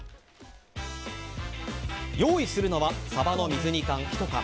用意するのはサバの水煮缶１缶。